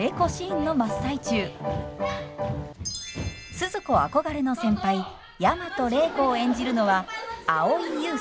スズ子憧れの先輩大和礼子を演じるのは蒼井優さん。